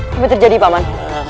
apa yang terjadi paman